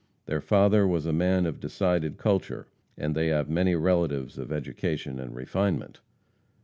Their father was a man of decided culture, and they have many relatives of education and refinement.